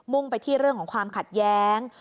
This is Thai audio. ่งไปที่เรื่องของความขัดแย้ง